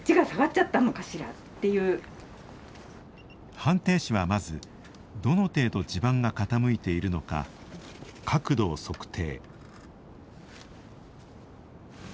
判定士は、まずどの程度、地盤が傾いているのか角度を測定。